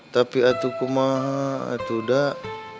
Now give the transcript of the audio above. tapi aku kumaha aku udah